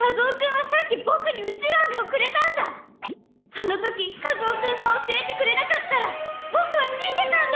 あのときカズオ君が教えてくれなかったら僕は死んでたんだ！」